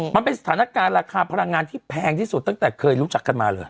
มันเป็นสถานการณ์ราคาพลังงานที่แพงที่สุดตั้งแต่เคยรู้จักกันมาเลย